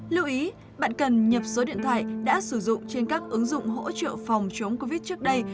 lưu ý bạn cần nhập số điện thoại đã sử dụng trên các ứng dụng hỗ trợ phòng chống covid trước đây